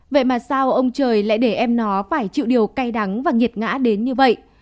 vậy mà sao ông trời lại để em nó phải chịu điều cay đắng và nghiệt ngã đến như vậy